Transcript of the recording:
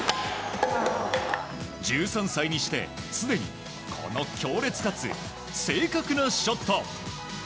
１３歳にして、すでにこの強烈かつ正確なショット。